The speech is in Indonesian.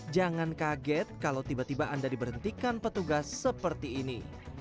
jangan kaget kalau tiba tiba anda diberhentikan petugas seperti ini